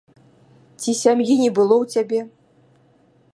Ці сям'і не было ў цябе?